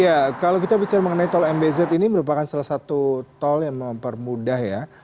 ya kalau kita bicara mengenai tol mbz ini merupakan salah satu tol yang mempermudah ya